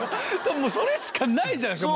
それしかないじゃないですか！